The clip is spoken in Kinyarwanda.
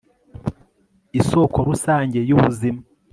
isoko rusange y'ubuzima